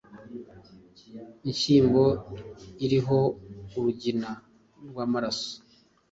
inshyimbo iriho urugina rw’amaraso